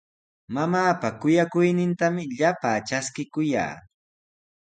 Mamaapa kuyakuynintami llapaa traskikuyaa.